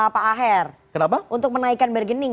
pak aher kenapa untuk menaikkan bergening